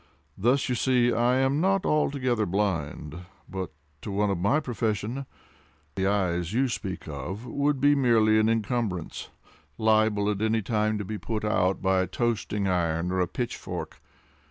Thus you see I am not altogether blind; but to one of my profession, the eyes you speak of would be merely an incumbrance, liable at any time to be put out by a toasting iron, or a pitchfork.